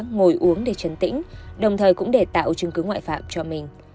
ngồi uống để chấn tĩnh đồng thời cũng để tạo chứng cứ ngoại phạm cho mình